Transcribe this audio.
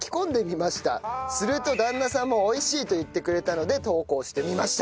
すると旦那さんも美味しいと言ってくれたので投稿してみました。